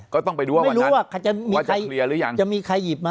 ก็ต้องไปดูว่าวันนั้นไม่รู้ว่าจะมีใครหยิบมา